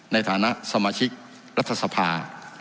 ในฐานะสมาชิกรัฐสภา